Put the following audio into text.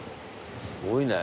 すごいね。